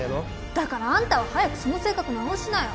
だからあんたは早くその性格直しなよ